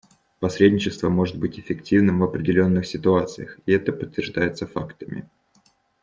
Посредничество может быть эффективным в определенных ситуациях, и это подтверждается фактами.